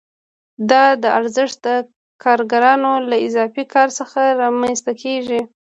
دا ارزښت د کارګرانو له اضافي کار څخه رامنځته کېږي